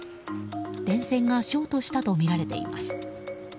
電線がショートしたとみられています。